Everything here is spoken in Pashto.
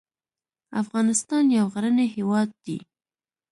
افغانستان يو غرنی هېواد دی.